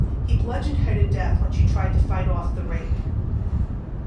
He bludgeoned her to death when she tried to fight off the rape.